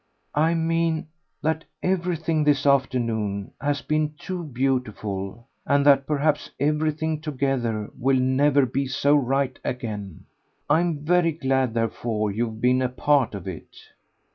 "I mean that everything this afternoon has been too beautiful, and that perhaps everything together will never be so right again. I'm very glad therefore you've been a part of it."